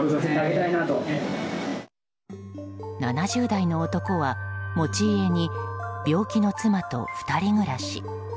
７０代の男は持ち家に病気の妻と２人暮らし。